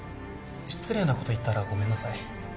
失礼なこと言ったらごめんなさい。